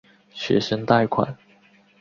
学生贷款。